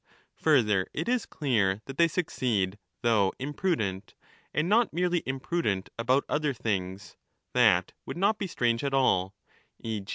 Further, it is clear that they succeed though imprudent,* and not merely imprudent about other things — that would not be strange at all, e.